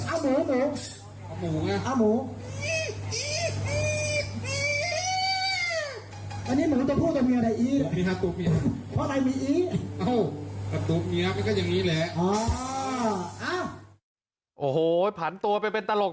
อ้าวประตูปเนี้ยมันก็อย่างนี้แหละอ่อเอาโอ้โหผ่านตัวไปเป็นตลก